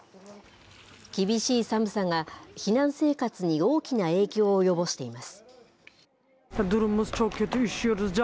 厳しい寒さが避難生活に大きな影響を及ぼしています。